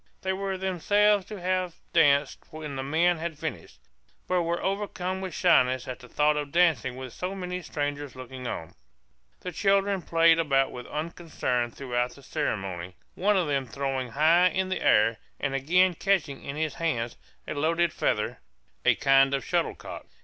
They were themselves to have danced when the men had finished, but were overcome with shyness at the thought of dancing with so many strangers looking on. The children played about with unconcern throughout the ceremony, one of them throwing high in the air, and again catching in his hands, a loaded feather, a kind of shuttlecock.